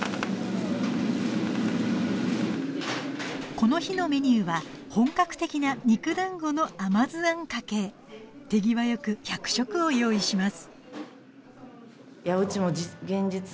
この日のメニューは本格的な肉団子の甘酢あんかけ手際よく１００食を用意します